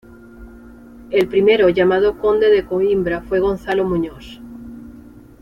El primero llamado conde de Coímbra fue Gonzalo Muñoz.